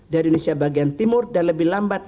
dari indonesia bagian timur dan lebih lambat